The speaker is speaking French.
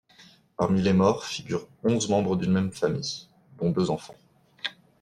Parmi les morts, figurent onze membres d'une même famille, dont deux enfants.